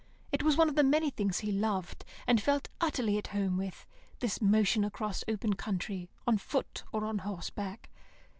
It was one of the many things he loved, and felt utterly at home with, this motion across open country, on foot or on horse back.